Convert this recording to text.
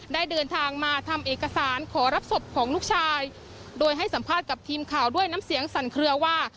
ได้เดินทางมาทำเอกสารขอรับศพของลูกชายโดยให้สัมภาษณ์กับทีมข่าวด้วยน้ำเสียงสั่นเคลือว่า